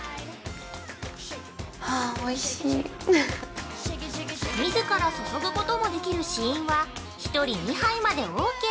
あぁ、おいしい◆みずから注ぐこともできる試飲は、１人２杯まで ＯＫ！